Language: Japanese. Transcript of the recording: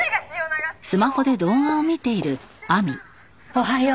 おはよう。